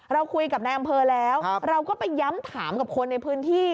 เราคุยกับนายอำเภอแล้วเราก็ไปย้ำถามกับคนในพื้นที่